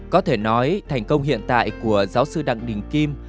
có thể nói thành công hiện tại của giáo sư đặng đình kim